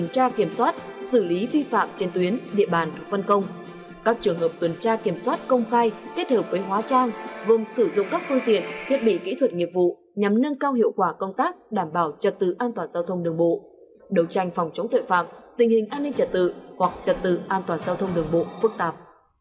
các trường hợp tuần tra kiểm soát công khai kết hợp với hóa trang gồm sử dụng các phương tiện thiết bị kỹ thuật nghiệp vụ nhằm nâng cao hiệu quả công tác đảm bảo trật tự an toàn giao thông đường bộ đấu tranh phòng chống tội phạm tình hình an ninh trật tự hoặc trật tự an toàn giao thông đường bộ phức tạp